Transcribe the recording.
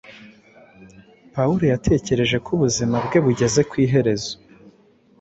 Pawulo yatekereje ko ubuzima bwe bugeze ku iherezo.